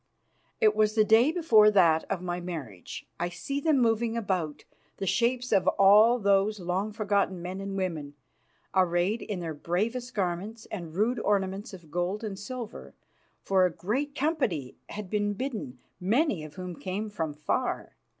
It was the day before that of my marriage. I see them moving about, the shapes of all those long forgotten men and women, arrayed in their bravest garments and rude ornaments of gold and silver, for a great company had been bidden, many of whom came from far.